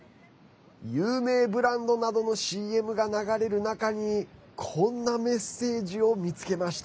有名ブランドなどのＣＭが流れる中にこんなメッセージを見つけました。